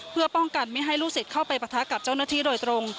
เพื่อป้องกันไม่ให้ลูกศิษย์เข้าไปปะทะกับเจ้าหน้าที่โดยตรง